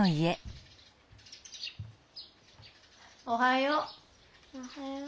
おはよう。